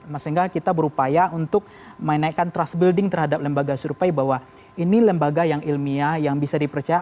sehingga kita berupaya untuk menaikkan trust building terhadap lembaga survei bahwa ini lembaga yang ilmiah yang bisa dipercaya